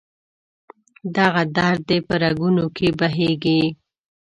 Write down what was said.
دغه درد دې په رګونو کې بهیږي